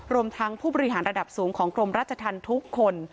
รวมทั้งผู้บริหารระดับสูงของกรมราชธรรมทุกคน